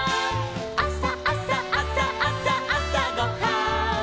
「あさあさあさあさあさごはん」